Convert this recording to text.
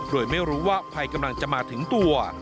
โดยไม่รู้ว่าภัยกำลังจะมาถึงตัว